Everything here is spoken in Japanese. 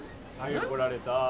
はい怒られた。